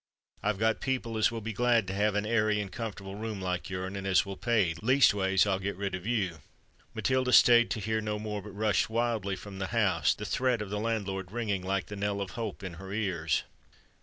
I've got people as will be glad to have a airy and comfortable room like your'n and as will pay; leastways I'll get rid of you." Matilda stayed to hear no more, but rushed wildly from the house, the threat of the landlord ringing like the knell of hope in her ears.